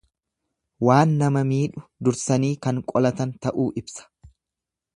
Waan nama miidhu dursanii kan qolatan ta'uu ibsa.